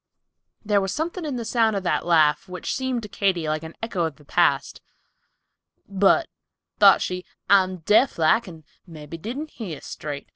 There was something in the sound of that laugh, which seemed to Katy like an echo of the past. "But," thought she, "I'm deaf like and mebby didn't hear straight.